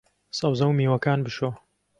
سەوزە و میوەکان بشۆ